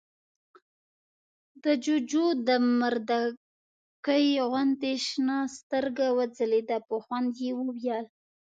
د جُوجُو د مردکۍ غوندې شنه سترګه وځلېده، په خوند يې وويل: